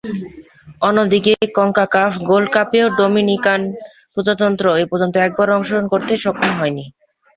অন্যদিকে, CONCACAF gold কাপেও Dominican প্রজাতন্ত্র এপর্যন্ত একবারও অংশগ্রহণ করতে সক্ষম হয়নি।